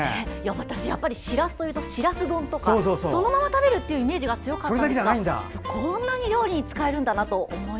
私、しらすというとしらす丼などそのまま食べるイメージが強かったんですがこんなに料理に使えるんだなと。